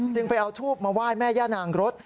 ไปเอาทูบมาไหว้แม่ย่านางรถ